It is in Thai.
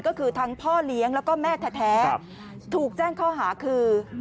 ก็คือทั้งพ่อเลี้ยงแล้วก็แม่แท้ถูกแจ้งข้อหาคือ